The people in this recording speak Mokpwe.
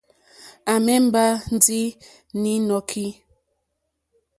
À mɛ̀ mbá ndí nǐ nɔ̀ní.